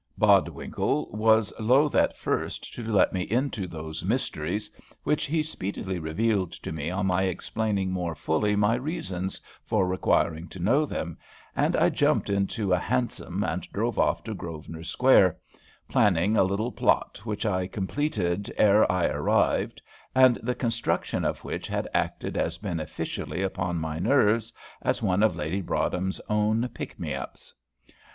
Bodwinkle was loath at first to let me into those mysteries which he speedily revealed to me on my explaining more fully my reasons for requiring to know them, and I jumped into a hansom and drove off to Grosvenor Square, planning a little plot which I completed ere I arrived, and the construction of which had acted as beneficially upon my nerves as one of Lady Broadhem's own "pick me ups."